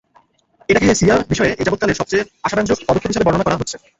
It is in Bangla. এটাকে সিরিয়া বিষয়ে এযাবৎকালের সবচেয়ে আশাব্যঞ্জক পদক্ষেপ হিসেবে বর্ণনা করা হচ্ছে।